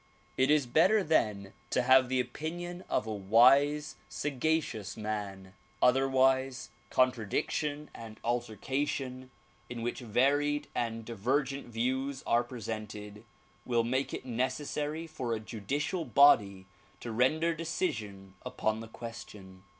It is better then to have the opinion of a wise, sagacious man ; otherwise contradiction and altercation in which varied and divergent views are presented will make it necessary for a judicial body to render decision upon the question.